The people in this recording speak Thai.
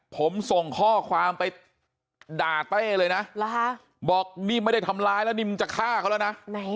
ผมส่งข้อความไปด่าเต้เลยนะบอกนี่ไม่ได้ทำร้ายแล้วนี่มึงจะฆ่าเขาแล้วนะ